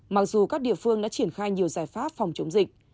mặc dù các địa phương đã triển khai nhiều giải pháp phòng chống dịch